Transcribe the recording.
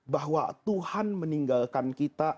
bahwa tuhan meninggalkan kita